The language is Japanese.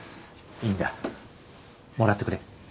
いいんだもらってくれ。